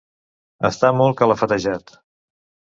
Estar molt calafatejat.